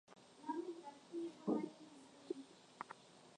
Wewe tabia zako za kwenda usiku na kurudi asubuhi hazinipendezi.